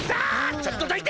ちょっとどいて！